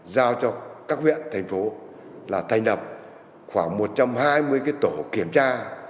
giao cho các huyện thành phố là thành đập khoảng một trăm hai mươi cái tổ kiểm tra